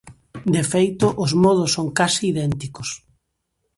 De feito, os modos son case idénticos.